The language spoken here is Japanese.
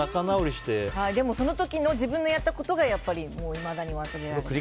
でもその時の自分がやったことがやっぱり、いまだに忘れられない。